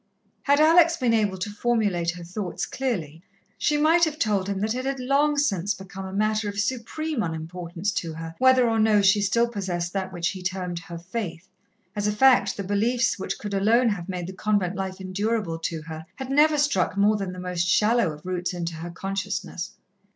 Had Alex been able to formulate her thoughts clearly, she might have told him that it had long since become a matter of supreme unimportance to her whether or no she still possessed that which he termed her faith. As a fact, the beliefs which could alone have made the convent life endurable to her, had never struck more than the most shallow of roots into her consciousness.